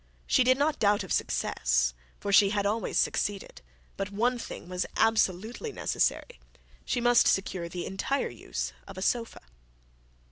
She did not doubt of success, for she had always succeeded; but one thing was absolutely necessary, she must secure the entire use of a sofa.